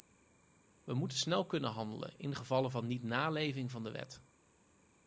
We moeten snel kunnen handelen in gevallen van niet-naleving van de wet.